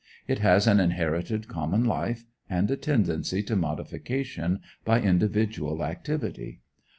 It has an inherited common life, and a tendency to modification by individual activity.